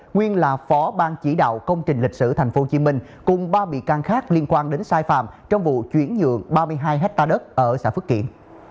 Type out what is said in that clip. nguyên là phó ban chỉ đạo công trình lịch sử tp hcm cùng ba bị can khác liên quan đến sai phạm trong vụ chuyển nhượng ba mươi hai hectare đất ở xã phước kiển